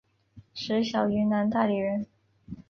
石晓云南大理人。